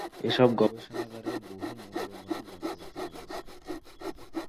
এসব গবেষণাগারে বহু মূল্যবান যন্ত্রপাতি রয়েছে।